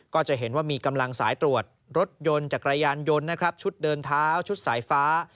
ก็จะเห็นว่ามีกำลังสายตรวจรถยนต์จักรยานยนต์นะครับชุดเดินเท้าชุดสายฟ้า